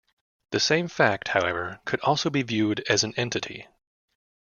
The same fact, however, could also be viewed as an entity.